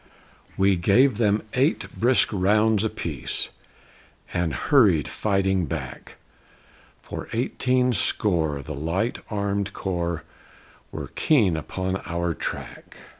We gave them eight brisk rounds a piece, And hurried, fighting, back; For, eighteen score, the Light Armed Corps Were keen upon our track.